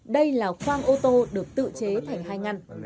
đây là khoang ô tô được tự chế thành hai ngăn